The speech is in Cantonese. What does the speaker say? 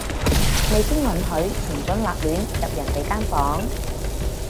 未經允許，唔准立亂入人哋間房